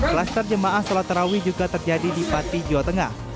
kluster jemaah salat tarawih juga terjadi di pati jawa tengah